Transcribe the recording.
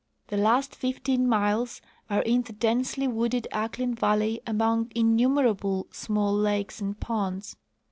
The last fifteen miles are in the densely wooded Ahklen valley among innumer able small lakes and ponds.